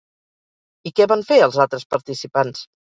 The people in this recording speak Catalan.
I què van fer els altres participants?